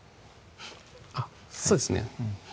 あっそうですね